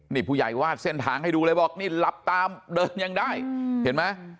นี่ผู้ใหญ่วาดเส้นทางให้ดูเลยบอกนี่หลับตามเดินยังได้เห็นไหม